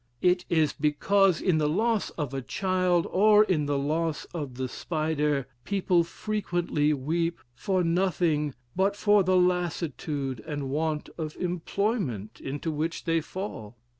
It is because, in the loss of a child, or in the loss of the spider, people frequently weep for nothing but for the lassitude and want of employment into which they fall.